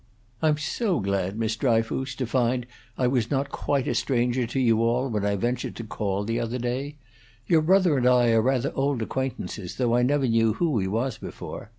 "I'm so glad, Miss Dryfoos, to find that I was not quite a stranger to you all when I ventured to call, the other day. Your brother and I are rather old acquaintances, though I never knew who he was before.